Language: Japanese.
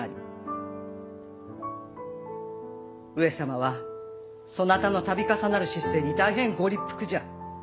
上様はそなたの度重なる失政に大変ご立腹じゃ。